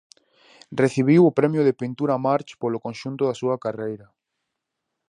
Recibiu o Premio de Pintura March polo conxunto da súa carreira.